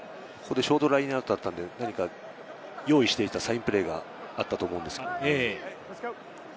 ショートラインアウトだったので、用意していたサインプレーがあったと思うんです。